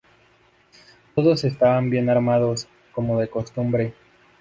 Todos estaban armados, como de costumbre.